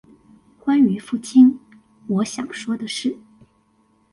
關於父親，我想說的事